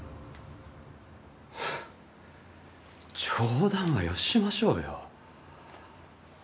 冗談はよしましょうよ。